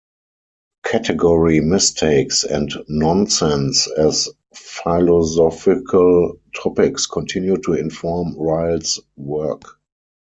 Category mistakes and nonsense as philosophical topics continued to inform Ryle's work.